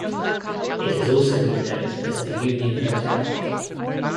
It has also been known as the Union Hotel.